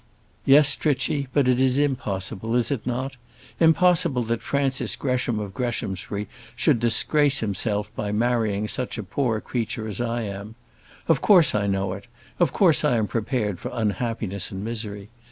"Yes, Trichy; but it is impossible, is it not? Impossible that Francis Gresham of Greshamsbury should disgrace himself by marrying such a poor creature as I am. Of course, I know it; of course, I am prepared for unhappiness and misery.